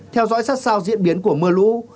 theo dõi sát sao diễn biến của mưa lũ